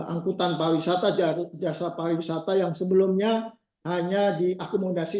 angkutan pariwisata jasa pariwisata yang sebelumnya hanya diakomodasi